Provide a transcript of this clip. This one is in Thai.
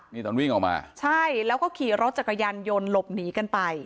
นี่ตอนวิ่งออกมาใช่แล้วก็ขี่รถจักรยานยนต์หลบหนีกันไป